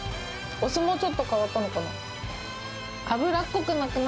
お酢もちょっと変わったのかな。